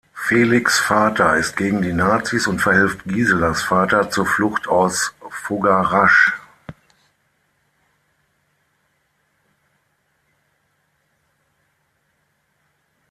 Felix' Vater ist gegen die Nazis und verhilft Giselas Vater zur Flucht aus Fogarasch.